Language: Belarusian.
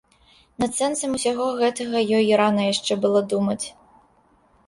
Над сэнсам усяго гэтага ёй рана яшчэ было думаць.